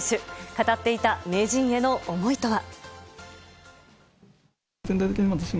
語っていた名人への思いとは。